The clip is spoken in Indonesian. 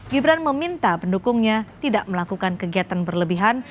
gibran meminta pendukungnya tidak melakukan kegiatan berlebihan